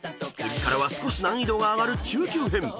［次からは少し難易度が上がる中級編］